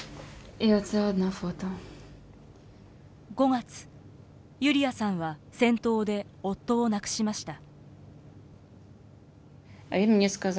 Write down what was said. ５月、ユリアさんは戦闘で夫を亡くしました。